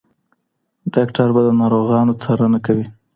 ډاکټر به د ناروغانو څارنه کوي.